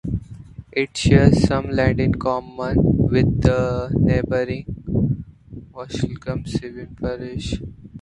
It shares some land in common with the neighbouring Wolsingham civil parish.